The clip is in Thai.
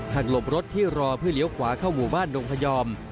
หลบรถที่รอเพื่อเลี้ยวขวาเข้าหมู่บ้านดงพยอม